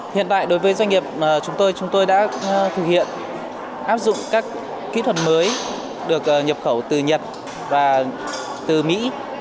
hiện tại đối với doanh nghiệp chúng tôi chúng tôi đã thực hiện áp dụng các kỹ thuật mới được nhập khẩu từ nhật và từ mỹ